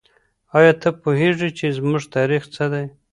آیا ته پوهېږې چې زموږ تاریخ څه دی؟